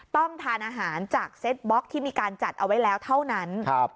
ต้องทานอาหารจากเซตบล็อกที่มีการจัดเอาไว้แล้วเท่านั้น